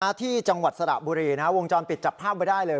ที่จังหวัดสระบุรีนะฮะวงจรปิดจับภาพไว้ได้เลย